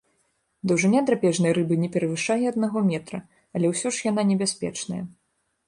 Даўжыня драпежнай рыбы не перавышае аднаго метра, але ўсё ж яна небяспечная.